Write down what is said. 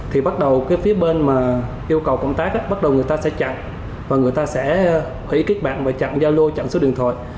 thì phía bên yêu cầu công tác bắt đầu người ta sẽ chặn và người ta sẽ hủy kết bạn và chặn giao lô chặn số điện thoại